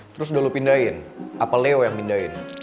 terus udah lo pindahin apa leo yang pindahin